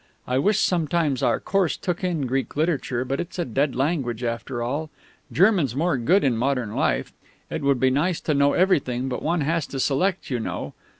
I wish sometimes our course took in Greek literature, but it's a dead language after all. German's more good in modern life. It would be nice to know everything, but one has to select, you know.